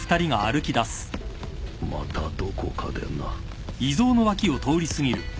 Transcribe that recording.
またどこかでな。